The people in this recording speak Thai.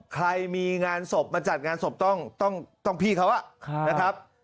ใครมีงานศพมาจัดงานศพต้องพี่เขานะครับ